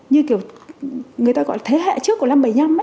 như kiểu người ta gọi là thế hệ trước của năm bảy mươi năm ấy